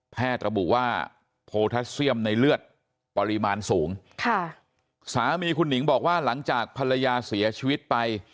ระบุว่าโพทัสเซียมในเลือดปริมาณสูงค่ะสามีคุณหนิงบอกว่าหลังจากภรรยาเสียชีวิตไป